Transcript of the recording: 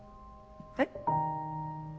えっ。